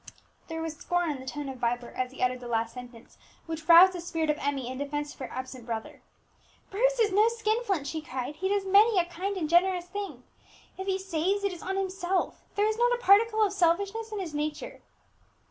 There was scorn in the tone of Vibert as he uttered the last sentence, which roused the spirit of Emmie in defence of her absent brother. "Bruce is no skin flint!" she cried; "he does many a kind and generous thing. If he saves, it is on himself; there is not a particle of selfishness in his nature!"